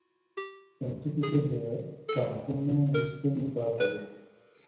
په ځمکو کې د ټانکونو وسپنې پاتې وې